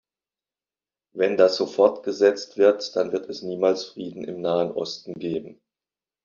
Wenn das so fortgesetzt wird, dann wird es niemals Frieden im Nahen Osten geben!